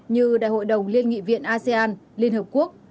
như đại hội đồng liên nghị viện asean liên hợp quốc